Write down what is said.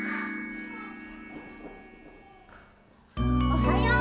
おはよう。